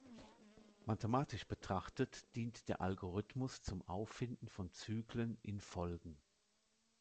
Mathematisch betrachtet dient der Algorithmus zum Auffinden von Zyklen in Folgen.